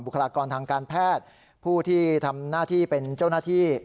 คลากรทางการแพทย์ผู้ที่ทำหน้าที่เป็นเจ้าหน้าที่